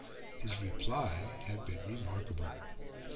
His reply had been remarkable.